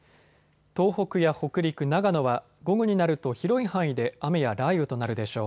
東北や北陸、長野は午後になると広い範囲で雨や雷雨となるでしょう。